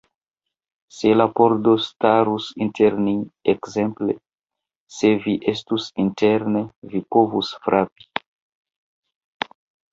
Se la pordo starus inter ni; ekzemple, se vi estus interne, vi povus frapi.